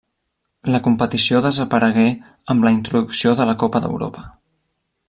La competició desaparegué amb la introducció de la Copa d'Europa.